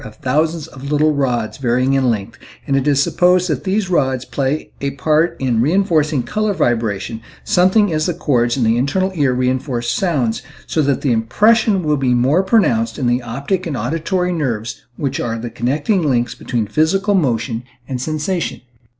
e 211 of thousands of little rods varying in length, and it is supposed that these rods play a part in re enforcing color vibration, something as the cords in the internal ear re enforce sounds, so that the impression will be more pronounced in the optic and auditory nerves which are the connecting links between physical motion and sensation.